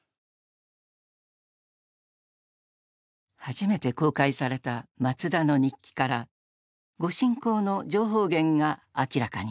初めて公開された松田の日記から御進講の情報源が明らかになった。